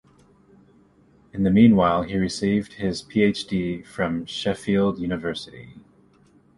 In the meanwhile he received his PhD from Sheffield University.